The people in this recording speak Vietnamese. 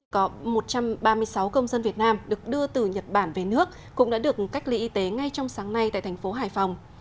có một trăm ba mươi sáu công dân việt nam được đưa từ nhật bản về nước cũng đã được cách ly y tế ngay trong sáng nay tại thành phố hải phòng